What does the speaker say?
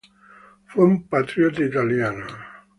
Fue un patriota italiano.